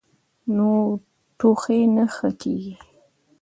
نو ټوخی نۀ ښۀ کيږي -